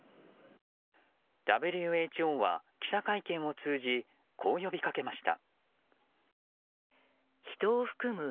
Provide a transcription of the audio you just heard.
ＷＨＯは記者会見を通じこう呼びかけました。